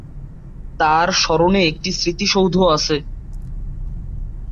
তাঁর স্মরণে একটি স্মৃতিসৌধ আছে।